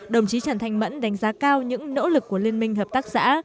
đồng chí trần thanh mẫn đánh giá cao những nỗ lực của liên minh hợp tác xã